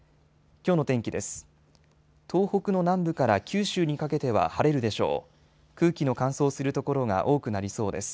きょうの天気です。